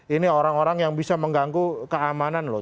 ini orang orang yang bisa mengganggu keamanan loh